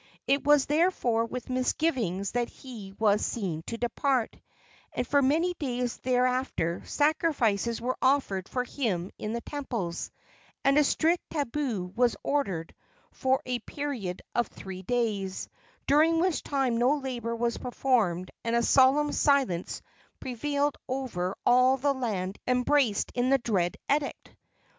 It was therefore with misgivings that he was seen to depart; and for many days thereafter sacrifices were offered for him in the temples, and a strict tabu was ordered for a period of three days, during which time no labor was performed and a solemn silence prevailed over all the land embraced in the dread edict.